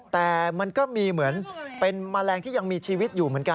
แต่มันก็มีเหมือนเป็นแมลงที่ยังมีชีวิตอยู่เหมือนกัน